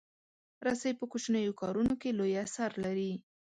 رسۍ په کوچنیو کارونو کې لوی اثر لري.